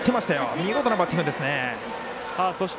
見事なバッティングですね。